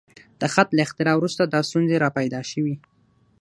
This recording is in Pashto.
د خط له اختراع وروسته دا ستونزې راپیدا شوې.